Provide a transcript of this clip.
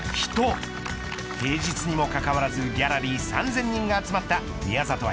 平日にもかかわらずギャラリー３０００人が集まった宮里藍